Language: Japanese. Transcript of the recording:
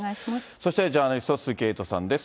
そしてジャーナリスト、鈴木エイトさんです。